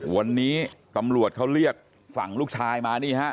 วันนี้ตำรวจเขาเรียกฝั่งลูกชายมานี่ฮะ